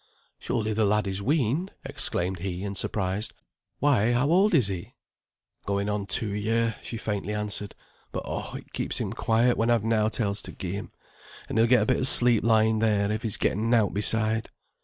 "Surely the lad is weaned!" exclaimed he, in surprise. "Why, how old is he?" "Going on two year," she faintly answered. "But, oh! it keeps him quiet when I've nought else to gi' him, and he'll get a bit of sleep lying there, if he's getten nought beside.